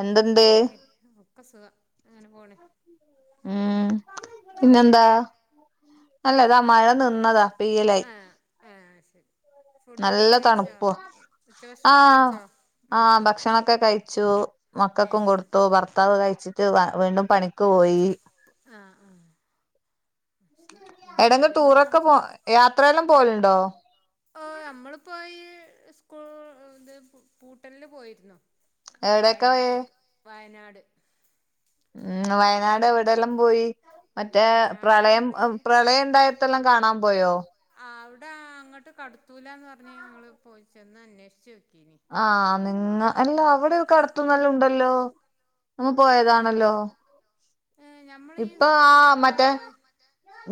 എന്തുണ്ട് എന്തൊക്കെ? ഒക്ക സുഖം. അങ്ങനെ പോണ്. ഉം. പിന്നെന്താ? അവിടെയൊക്കെ അല്ല ഇതാ മഴ നിന്നതാ പെയ്യല്. അഹ്. ഏഹ് അഹ്ശരി നല്ല തണുപ്പ ഉച്ചഭക്ഷണൊക്കെ ആഹാ കഴിച്ചോ ഉം ആഹാ ഉം ഭക്ഷണൊക്കെ കഴിച്ചു. മക്കൾക്കും ഏഹ് കൊടുത്തു ഭർത്താവ് കഴിച്ചിട്ട് വീണ്ടും പണിക്ക് പോയി. ആഹാ ആഹാ... ! എടെങ്കിലും ടൂറൊക്കെ പോ, യാത്രയെല്ലാം പോലുണ്ടോ? ആ നമ്മളിപോഈ സ്കൂൾ ഇത് പൂട്ടലില് പോയിരുന്നു. എവിടെയൊക്കെ പോയേ വയനാട്ടക്ക് വയനാട്. ഉം വയനാട് എവിടെയല്ലാം പോയി? മറ്റേ വയനാട് പ്രളയം നമ്മള് പ്രളയം ഉണ്ടായതെല്ലാം- കാണാൻ പോയോ? ആഹാ അവിടെ അങ്ങോട്ട് കടുത്തൂലന്ന് പറഞ്ഞു ഞങ്ങൾ പോയി ചെന്ന് അന്വേഷിചോക്കിന്. ആഹാ നിങ്ങ, എല്ലാ അവിടെക്കെ- ഉം കടുത്തുന്നല്ല ഉണ്ടല്ലോ. നമ്മ പോയതാണല്ലോ, ആഹ് ഞമ്മള് ഈ ഇപ്പോ സ്കൂൾ ആഹാ പൂട്ടിലാ മറ്റേ- പോയ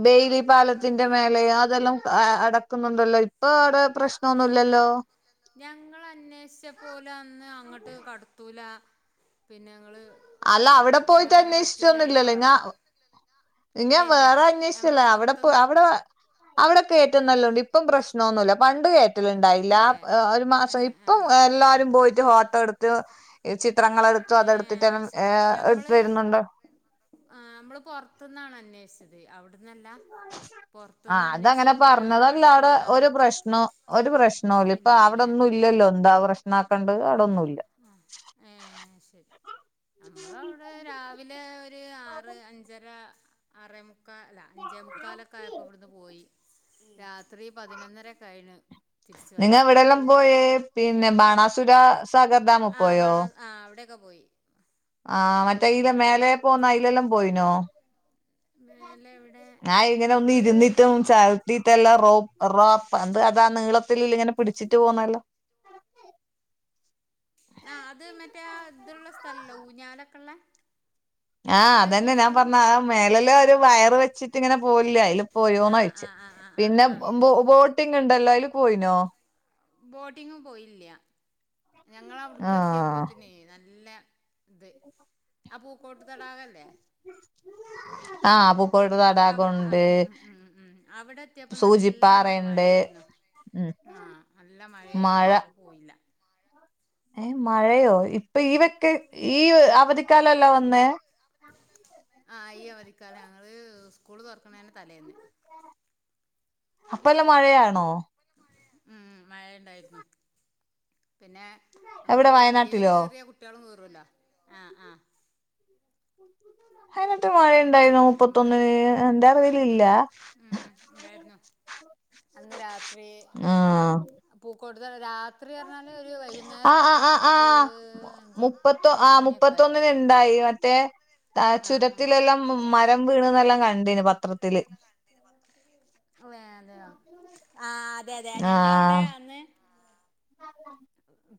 ബെയ്ലി നമ്മള് പാലത്തിന്റെ മേലേ, അതെല്ലാം അട- നടക്കുന്നുണ്ടല്ലോ ഇപ്പോ അവിടെ പ്രശ്നം ഒന്നും ഇല്ലല്ലോ. ഞങ്ങള അന്വേഷിച്ച പോല് അന്ന് അങ്ങോട്ട് കടത്തൂല, പിന്നെ ഞങ്ങള്- അല്ല അവിടെ അങ്ങനെ പോയിട്ട് അങ്ങനെ പറ്റൂല അന്വേഷിചോന്നില്ലല്ലോ എന്നൊക്കെ നിങ്ങ. പറഞ്ഞു ഇല്ല ഞാൻ ഇല്ല വേറെ ഞമ്മള് അന്വേഷിച്ചല്ലേ, അവിടെപ്പോ പൊറത്ത്ന്ന് അവിടെ, അവിടോക്കെയറ്റ നല്ലോണ്ട് ഇപ്പം പ്രശ്നോന്നുമല്ല പണ്ട് കേയറ്റ- ല് ഉണ്ടായില്ല ഇല്ലേ ഒരു മാസം ഏഹ് ഇപ്പം, ആഹ് എല്ലാരും പോയിട്ട് ഹോട്ടല് എടുത്ത്- ചിത്രങ്ങൾ എടുത്തു അതെടുത്തിട്ടെല്ലാം എടുത്ത് വരുന്നുണ്ട്. ആഹാ നമ്മള് പുറത്തന്നാണ് അന്വേഷിച്ചത് അവിടന്നല്ല. ആഹാ അതങ്ങനെ അങ്ങനെ പറഞ്ഞതല്ല അവിടെ കടത്തൂലാന്ന് ഒരു പ്രശ്നോം- ഒരു പ്രശ്നല്ല ഇപ്പോ ഇല്ലല്ലേ അവിടൊന്നും ഇല്ലല്ലോ എന്ത പ്രശ്നമാക്കേണ്ടത്? അവിടൊന്നും ഇല്ല. ഉം.. ! ആഹാ ശരി... ! നമ്മള് അവിടെ രാവിലെ ഒരു ആറ്, അഞ്ചര- അറേമുക്കാൽഅല്ല അഞ്ചേ- മുക്കാലൊക്കെ ആയപ്പോ ഇവിടുന്ന് പോയി. രാത്രി പതിനൊന്നര കഴിഞ്ഞ് തിരിച്ച് നിങ്ങ വന്നപ്പോ. എവിടെയെല്ലാം പോയേ പിന്നെ ബാണാസുര സാഗർ ഡാംമി പോയോ? ആഹാ അവിടെയൊക്കെ പോയി. ആഹാ മറ്റേ പിന്നെ ഇല്ലേ മേലേപോന്ന- അലെല്ലാം പോയിനോ? മേലെ ഇവിടെ നമ്മള് ഇവിടെ [unintelligible] ഇത്തെല്ലാം റോ റോപ്പ് എന്ത് അതാ നീളത്തി ഇങ്ങനെ പിടിച്ചിട്ട് പോകുന്നല്ലാം. ആഹാ അത് മറ്റേ ഇത്ള്ള സ്ഥലല്ലോ ഊഞ്ഞാലൊക്കെ ഉള്ള. ആഹ് അതന്നെ ഞാൻ പറഞ്ഞ ആഹാ മേല് ആഹ് ഒരു ആഹ് വയറ് വെച്ചിട്ട് ഇങ്ങനെ പോവില്ല അതില് ആഹ് ആഹ് ആഹ് പോയോന്ന ചോദിച്ചേ? ആഹ് ആഹ് ആഹ് പിന്നെ ആഹ് ആഹ് ബോട്ടിങ് ഉണ്ടല്ലോ അതിൽ പോയിനോ? ബോട്ടിങ്ങും പോയില്ല ഞങ്ങള് ആ അവിടേക് എത്തിയപ്പത്തിനെ നല്ല- ഇത് ആഹാ പൂകോട്ട്ത്തടാകല്ലേ! ആഹാ.... ! അവിടെ ആഹാ ഉം ഉം ഉം ഉം... അവിടെ എത്തിയപ്പ നല്ല സൂചിപ്പാറയുണ്ട് മഴായിരുന്നു. ഉം ആഹാ നല്ല മഴായിരുന്നു മഴ അപ്പോ പോയില്ല. ഏ മഴയോ ഇപ്പോ ഈവൊക്കെ ഈ അവധിക്കാലല്ലേവന്നെ. ആഹാ അയ്യ അവധിക്കാല ഞങ്ങള് സ്കൂള് തുറക്കണന്റെതലേന്ന്. അപ്പല്ലാം മഴയാണോ? ഉം മഴ ഉണ്ടായിരുന്നു. പിന്നെ നമ്മൾ എവിടെ വലിയവര് വയനാട്ടിലോ കേറിയ കുട്ടികളും കേറുല്ലോ ആഹാ ആഹാ... ! [inaudible] അതിനന്ന് മഴ ഉണ്ടായിരുന്നോ വയനാട്ടില് നമ്മള് മുപ്പത്തിഒന്നിന്? എന്റെ അറിവിലില്ല. ഉം ഉം ഉണ്ടായിരുന്നു അന്ന് രാത്രി ആഹ് പൂക്കോട്ട്തടാ രാ- രാത്രി പറഞ്ഞാല് ഒരു ആ വൈകുന്നേരം, ആ ആ ആ ഒരു അഞ്ച് മുപ്പത്തൊ ആ അഞ്ച്- മണിയൊക്കെ മുപ്പത്തൊന്നിന് ആയി. ഉണ്ടായി മറ്റേ ആഹാ ചുരത്തിലെല്ലാം മരം വീണന്നെല്ലാം കണ്ടിന് പത്രത്തില്. വേ അതേയോ ആ അതെ അതെ അതെ ആഹ് ഞങ്ങളവിടെ അന്ന്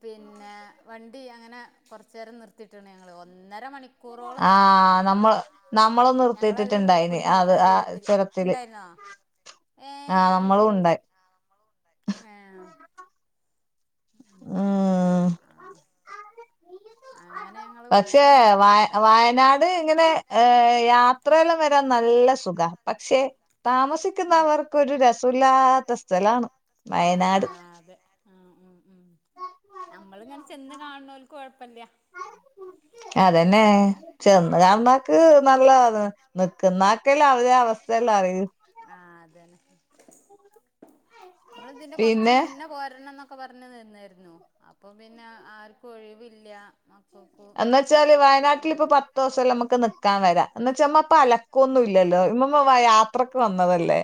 പിന്നെ വണ്ടി അങ്ങനെ കുറച്ചേരം നിർത്തിയിട്ട്ണ് ഞങ്ങൾ ഒന്നര മണി കൂറോളം നിർത്തിട്ട്ണ് ആഹ് നമ്മള് നമ്മളും ഞങ്ങള് അതില് നിർത്തിയിട്ടിട്ടുണ്ടായിന് കുടുങ്ങി അത് ആ ചുരത്തില് ഇണ്ടായിരുന്നോ ഏ ആഹ് അത് നമ്മളും ശരി ഉണ്ടായി ഏ ഉം ഉം ആഹ ആഹ അങ്ങ പക്ഷേ വ വയനാട് ഇങ്ങനെ ഏ യാത്രയെല്ലാം വരാൻ നല്ല സുഖാ പക്ഷെ ഉം താമസിക്കുന്നവർക്കരു രസമില്ലാത്ത സ്ഥലാണ് വയനാട് ആഹ് അതെ ആ ഉം ഉം നമ്മള് ഇങ്ങനെ ചെന്ന് കാണുന്നോല്ക്ക് കൊഴപ്പല്ല്യ അതെന്നെ ചെന്ന് ഉം കാണുന്നോൽക്ക് നല്ലതാണ് നിക്കുന്നാക്കെല്ലെ അവടെ അവസ്ഥയല്ലാം അറിയൂ ആ അതന്നെ പിന്നെ ക്കെ പറഞ്ഞു നിന്നായിരുന്നു അപ്പൊ പിന്നെ ആർക്കും ഒഴിവില്ല. മ എന്ന് വച്ചാല് വയനാട്ടിൽ ഇപ്പൊ പത്ത് ദിവസംല്ലം നമുക്ക് നിക്കാൻ വരാ എന്ന വച്ചാ പ്പ അല ഒന്നുല്ലല്ലോ ഇമ്മമ്മ യാത്രക്ക് വന്നതല്ലേ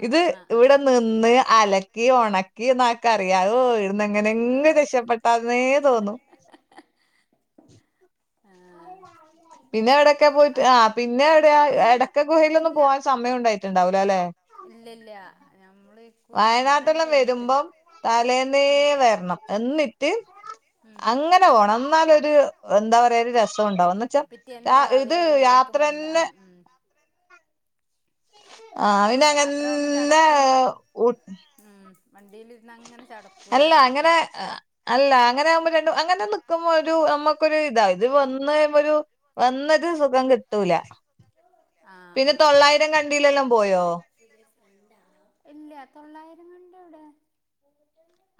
ആഹ് ഇത് ആഹ് ഇവിടെ ആഹ് നി ന്ന് അലക്കി ഒണക്കി ന കറിയാലോ ഇടന്ന് എങ്ങനെകിലു ആഹ് ശരി രക്ഷപ്പെട്ടാന്നേ തോന്നു ആഹ പിന്നെ എവിടയൊക്കെ പോയിട്ട് ആ പിന്നെ എവിടെയാ അമ്മ എടക്ക ഗുഹയിലൊന്നും പോവാൻ സമയം ഉണ്ടായിട്ടുണ്ടാവൂലലേ ഇല്ല ഇല്ല ഞമ്മള്ക്ക്‌ അങ്ങനെയണ്ട് വയനാട്ടെല്ലാം പോന്നിട്ടില്ല. വരുമ്പം തലേന്നേ ഉം വരണം എന്നിട്ട് ഉം അങ്ങനെ പോണം ന്നാലേ ഒരു എന്താ പറയാ ഒരു രസ സണ്ടാവു ന്ന് പിറ്റേന്ന് വെച്ചാ ഇത് രാവിലെ എല്ലോട്ത്തും കണ്ട് യാത്രന്നെ ആഹ് ഉം ആ പിന്നെ യാത്ര ആവുമ്പോം അങ്ങന്നെ ചടക്കും ഉം വണ്ടിയില് അല്ല അങ്ങനെ അല്ല അങ്ങനെ ആകുമ്പോ രണ്ടും അങ്ങനെ നി ക്കുമ്പോ ഒരു നമുക്കൊരു ഇതാ ഇത് വന്നകഴിമ്പോ ഒരു വന്നത് സുഖം കിട്ടൂല. ആഹ് പിന്നെ ആഹ് ആഹ് തൊള്ളായിരം കണ്ടിയിലെല്ലാം പോയോ ഇല്ല തൊള്ളായിരം കണ്ടി എവിടെയാ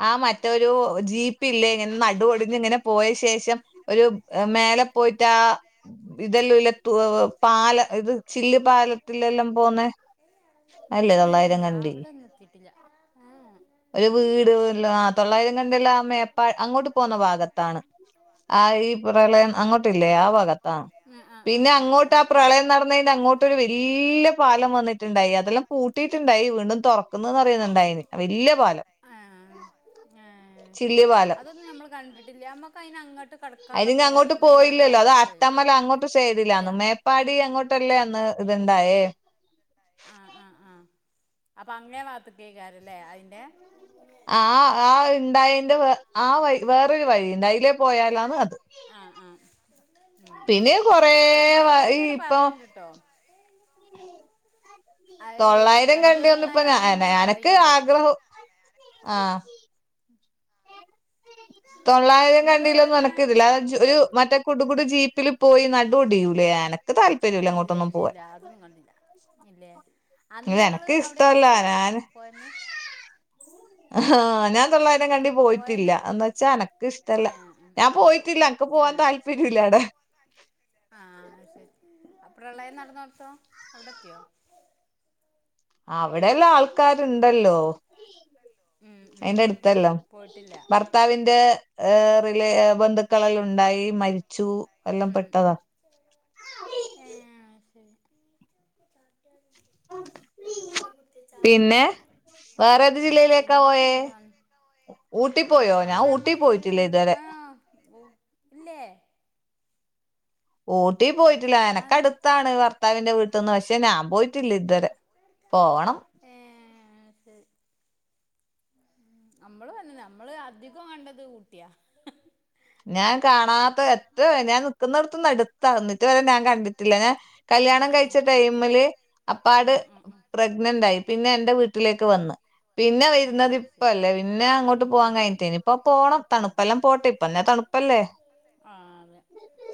ആ മറ്റൊരു ജീപ്പില്ലേ ഇങ്ങനെ നടുവൊടിഞ്ഞു ഇങ്ങനെ പോയ ശേഷം ഒരു മേലെ പോയിട്ട് ആ ഇതെല്ലാം ഇല്ലു തു പാല ഇത് ചില്ല് പാലത്തിലെല്ലാം പോന്നെ അല്ലേ ഇല്ല തൊള്ളായിരം ഇല്ല കണ്ടി അവിടെ എത്തിയിട്ടില്ല ഒരു വീട്ല്ല ആ തൊള്ളായിര കണ്ടില്ല മേപ്പാ അങ്ങോട്ട് പോകുന്ന ഭാഗത്താണ് ആ ഈ പ്രളയം അങ്ങോട്ടില്ലേ ആ ഭാഗ ആ പിന്നെ അങ്ങോട്ട് ആ പ്രളയം നടന്നതിന്റെ അങ്ങോട്ടരു വലിയ പാലം വന്നി ണ്ടായി അതെല്ലാം പൂട്ടിയിട്ടുണ്ടായി വീണ്ടും തുറക്കുന്നു അറിയുന്നുണ്ടായിന് വലിയ പാലം. ആ ആ ചില്ല് പാലം അതൊന്നും നമ്മൾ കണ്ടിട്ടില്ല നമ്മക്ക് അയിന്ങ്ങട്ട് അയിന് ഇജ് അങ്ങോട്ട് പോയില്ലല്ലോ അത് അട്ടമല് അങ്ങോട്ട് സൈഡിലാന്ന് മേ അത് പ്പാടി അങ്ങോട്ടല്ലേ അന്ന് ഇത്ണ്ടായേ ആ ആ ആ അപ്പൊ അങ്ങേ ബാത്ത്കേക്കാരല്ലേ അയിന്റെ [inaudible] ആ ആ ഇണ്ടായന്റെ വേ ആ വഴി വേറൊരു വഴി ഉണ്ട് അതിലെ പോയാലാണ് അത്. ആ ആ ഉം ഉം പിന്നെ കൊറ അത് ഡ്രൈവർ വയി ഇങ്ങനെ പ്പൊ. പറയണ്ട് ട്ടോ അത് തൊള്ളായിരം വണ്ടി കണ്ട് ഓടിക്കണ ഒന്നുപ്പൊ അന അയാളിങ്ങനെ അനക് പറയ്ണ്ട് ആഗ്രഹം ആഹ് തൊള്ളായിരം ഇങ്ങള് കണ്ടിലൊന്നും പിന്നെ അനക്ക്ല്ല [unintelligible] ഒരു മറ്റ കുടു കുടു ജീപ്പില് പോയി നടുഒടിയൂലേ ആന ഇല്ല ഇല്ല ഇല്ല ല്ലാ ന്നും കണ്ടില്ല ല്ലേ അന്ന് ഇത് ങ്ങള് എനക്ക് അവിടെയൊക്കെ ഇഷ്ടല്ല പോയോ ഞാൻ പോയന്ന് ഹാ ഞാൻ തൊള്ളായിരം കണ്ടി പോയിട്ടില്ല പോയന്ന് എന്ന് വച്ചാ എനക്ക് ഇഷ്ടല്ല. ഏഹ് ഉം ഞാൻ പോയിട്ടില്ല എനക്ക് പോവാൻ ഏഹ് താല്പര്യം ല്ല അവടെ. ആഹ് ശരി അ പ്രളയം നടന്നപ്പോ അവിടെ എത്തിയോ അവിടെയല്ലാം ആൾ [unintelligible] ഉം ഉം അയിന്റെ ടുത്തെല്ലാം പോയിട്ടില്ല ബർ ഭർത്താവിന്റെ റിലെഎ ബന്ധുക്കളെല്ല ണ്ടായി മരിച്ചു. എല്ലാം ഹ് ഹ് പെട്ടതാ ഏ ആഹ് ശെരി പിന്നെ വേറെ ഏത് ജില്ലയിലേക്കാ പോയേ പിന്നെപ്പന്ത ഊട്ടി പോയോ ഞാൻ വേറെ ഊട്ടി മ്മള് പോയിട്ടില്ല ഇതുവരെ ആഹ് ല്ലേ. ഊട്ടി പോയിട്ടില്ല. എനക്ക് അതെ അടുത്താണ് ഭർത്താവിന്റെ വീട്ടിന്ന്. പക്ഷെ ഞാൻ പോയിട്ടില്ല. ഇതുവരെ പോണം. ഏഅഹ് ശരി നമ്മള് വനിന്ന് ണ് നമ്മള് അധികം കണ്ടത് ഊട്ടിയാ. ഞാൻ കാണാത്ത എത്ര. ഞാൻ നിക്കുന്നേട്ത്ത്ന്ന് എട് തന്നിട്ട് വരെ ഞാൻ കണ്ടിട്ടില്ല ഞ ഏ കല്യാണം കയിച്ച ടൈമില് അപ്പാട് ഉം ഉം ഉം പ്രഗ്നന്റായി പിന്നെ എൻറെ വീട്ടിലേക്ക് വന്ന് പിന്നെ ഏ ശരി വരന്നതിപ്പല്ലേ പിനഅങ്ങോട്ട് ഉം പോവാൻ ഉം ഉം കഴിഞ്ഞട്ടേനി ഇപ്പൊ പോണം ഉം ഉം തണുപ്പെല്ലാം പോട്ടെ. [unintelligible] തണുപ്പല്ലേ ആ അതെ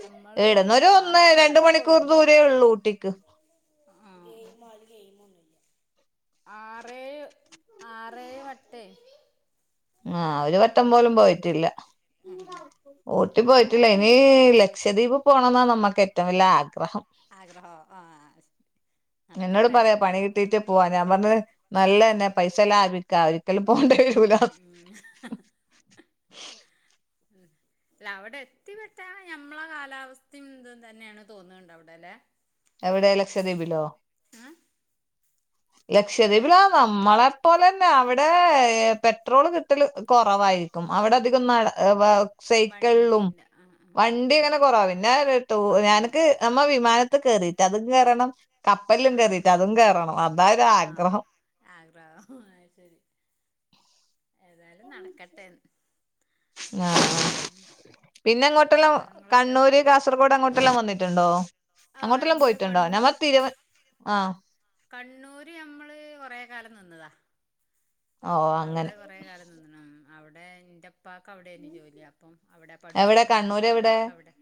നമ്മള് ഈടുന്നൊരു ആറേഴ് ഒന്നരണ്ട് മണിക്കൂർ ദൂര ഇതേ ഉള്ളൂ ഊട്ടിക്ക്. ആഹ് ആറേയ് ആറേയ് വട്ടെ ആഹ് ഒരു വട്ടം പോലും പോയിട്ടില്ല. ഹ്മ്മ്ഹ്മ്മ് ഊട്ടി പോയിട്ടില്ല. ഇനി ലക്ഷദ്വീപ് പോണംന്നാ നമ്മുക്ക് ഏറ്റവും വല്ല്യ ആഗ്രഹം. ആഗ്രഹോ ആഹ് എന്നോട് പറയാ പണി കിട്ടീട്ട് പോവാ ഞാൻ പറഞ് നല്ലന്നെ പൈസ ലാഭിക്കാ ഒരിക്കലും പോണ്ട മ് മ് ആഹ് [inaudible] [unintelligible] അല്ല അവിടെ എത്തിപ്പെട്ട ഞമ്മളെ കാലാവസ്ഥയും തും തന്നെയാണ്. തോന്നുന്നുണ്ട് അവിടെ ല്ലെ എവിടെ ലക്ഷദ്വീപിലോ? ഏ അല്ലെ ലക്ഷദ്വീപിലാ നമ്മളെ പോലന്നെ അവിടെ പെട്രോള് കിട്ടല് കൊറവായിരിക്കും അവിടെ അധികം [unintelligible] സൈക്കള്ളും വണ്ടിന്റെ ആ ആ ആ വണ്ടി അങ്ങനെ ആ കൊറവ പിന്നെതു കുറവാണ് എനക്ക്. നമ്മള് വിമാനത്ത് കേറീട്ട്ല്ലാ അതും കേയറണം കപ്പല്ലും കേറിറ്റ്ല്ലാ അതും കോറണം അ. ആഹ് ആഗ്രഹോ അഹ് ശരി. ഏതായാലും നടക്കട്ടെന്ന് ഉം പിന്നെങ്ങോട്ടെല്ലാം ആഗ്രഹങ്ങളൊക്കെ കണ്ണൂര് കാസർഗോഡ് അങ്ങോട്ടെല്ലാം വന്നിട്ടുണ്ടോ ആ അങ്ങോട്ടെല്ലാം നമ്മള് പോയിട്ടുണ്ടോ കണ്ണൂർ ഞമ്മ തിരുവ ആ കണ്ണൂര് നമ്മള് കൊറേ കാലം നിന്നതാ ഓ അങ്ങനെ അവിടെ കൊറെ കാലം നിന്ന്ണം. അവിടെ ഇന്റെ പ്പാക്ക് അവിടെ ന് ജോലി. അപ്പം അവിടെ എവിടെ പഠിച്ചതും. കണ്ണൂര് എവിടെ താക്കാക്കിയതൊക്കെ അവിടെ.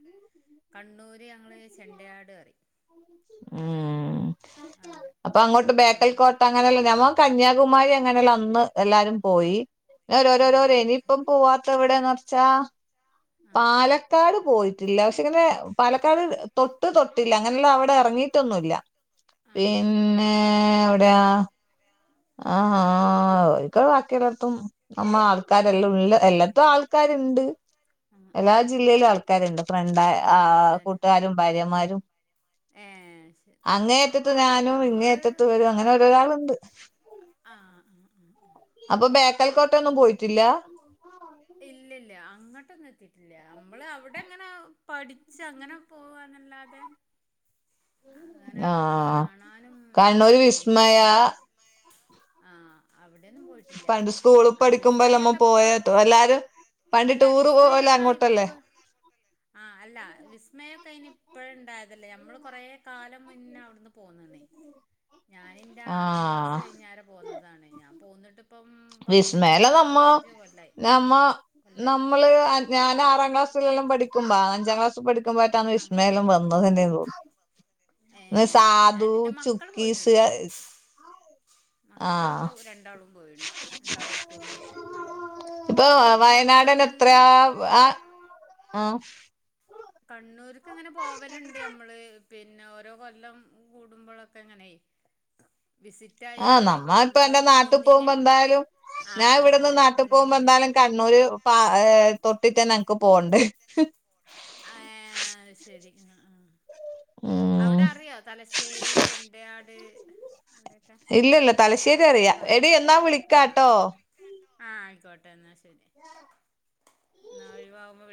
കണ്ണൂര് ഞങ്ങൾ ചെണ്ടയാട് പറയും. ഉം അവിടെ അപ്പൊ അങ്ങോട്ട് ബേക്കൽ അവിടെ കോട്ട അങ്ങനെല്ല ഞമ്മ. കന്യാകുമാരി അങ്ങനെയുള്ള അന്ന് എല്ലാരും പോയി ഓരോരോരോര ആഹ് ഇനിയിപ്പം ശരി പോവാത്ത എവിടെന്ന്ച്ചാ ആഹ് ആഹ് പാലക്കാട് പോയിട്ടില്ല പക്ഷെ ഇങ്ങനെ പാലക്കാട് തൊട്ട് തൊട്ടില്ല അങ്ങനെല്ല അവിടെ ഇറങ്ങിട്ടൊന്നുമല്ല ആഹ് പിന്നെ ശരി എവിടെയാ ആഹ ആ ഒക് ബാക്കില്ലത്തും നമ്മ ആ ഉം ആൾക്കാരല്ലാം ഉള്ള ഉം ഉം എല്ലാത്തും ആൾക്കാരുണ്ട് ആഹ് എല്ലാ ആഹ് ജില്ലയിലും ആൾക്കാ ആക്കാരുണ്ട് ഫ്രണ്ട് ആ ആണോ അതന്നെ കൂട്ടുകാരും ഭാര്യമാരും ഏഹ് ശരി അങ്ങേയറ്റത്ത് ഞാനും നമ്മള് ഇങ്ങേയറ്റത്തിവരും അങ്ങനെ ഓരോരാളുണ്ട് ആഹ് ആഹ് അപ്പൊ ബേക്കൽക്കോട്ട [unintelligible] ഇല്ല ഇല്ല അങ്ങോട്ടൊന്നും എത്തിട്ടില്ല അമ്മള് അവിടെങ്ങനെ പഠിച്ച് അങ്ങനെ പോവാന്നല്ലാതെ അങ്ങനെ ആ ത് കാണാനും കണ്ണൂര് അങ്ങനൊന്നും എറങ്ങിട്ടില്ല വിസ്മയ പിന്നെ അവിടെ ആഹ് അവിടെന്നും പോയിട്ടില്ല്യ പണ്ട് സ്കൂളിൽ ആ പഠിക്കുമ്പോല്ലമ്മ വിസ്മയൊക്കെ ഇപ്പ പോയ എല്ലാരും പണ്ട് അല്ല ടൂറ് പോവല്ലേ വിസ്മയൊക്കെ അങ്ങോട്ടല്ലേ ഇപ്പൊ ആ അല്ല വിസ്മയൊക്കെ അയിനിപ്പഴ്ണ്ടായതല്ലേ നമ്മള് കൊറേ കാലം മുന്നേ അവ്ട്ന്ന് പോന്നെന്നേ. ഞാനെന്റെ ആ ആറാം ക്ലാസ് കയ്ഞ് [unintelligible] പോന്നതാണ് ഞാൻ പോന്നിട്ടിപ്പം വിസ്മയല്ല നമ്മ പത്തിരുപത്തഞ്ച്കൊല്ലായി നമ്മ നമ്മള് അ ഞാനാറാം ക്ലാസ്സിലെല്ലാം പഠിക്ക ക്കുമ്പ അഞ്ചാം ക്ലാസ്സി പഠിക്ക്മ്പോറ്റാണ് ആഹ് ആഹ് വിസ്മയെല്ലാം വന്നത് തന്നേന്ന്തോന്നും ഏഹ് ശരി ആ നിന്റെ മക്കള് ചുക്കീസ് പോയിനോട്ടോ ആ മക്കളൊക്കെ രണ്ടാളും പോയി രണ്ടാളു സ്കൂള്ന്നും അടെ പോയിന്ന് ഇപ്പൊ പിന്നെ ഞമ്മള് വയനാടൻ കണ്ണൂർക്ക് ആഹ് കണ്ണൂര്ക്ക്ങ്ങനെ പോവലുണ്ട് ഞമ്മള് പിന്നെ ഓരോ കൊല്ലം കൂടുമ്പളൊക്കങ്ങനേ വിസിറ്റ് ആഹ് ആയാണ്ട് നമ്മ ഇപ്പ നമ്മള് എന്റെ നാട്ടി നിന്നീനെ പോമ്പോ എന്തായാലും ആ ഞാ ഇവിട്ന്ന് അതന്നെ നാട്ടി പോമ്പ നിന്നീനല്ലേ എന്താലും കണ്ണൂര് പോം പ ഏഹ് തൊട്ടിട്ടന്നെനക്ക് പോണ്ടെ ആയ്ഹ് ശരി ആ ആ ഉം അവിടെ അറിയോ തലശ്ശേരി ചെണ്ടയാട് അവിടെക്കെ ഇല്ലില്ല തലശ്ശേരി അറിയാം എടി എന്നാ വിളിക്കാട്ടോ ആഹ് ആയിക്കോട്ടെന്നാ ശരി നാഴിവാകുമ്പോ